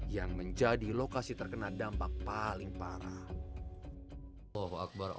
yang menjadi lokasi terkena dampak paling parah